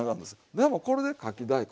でもこれでかき大根。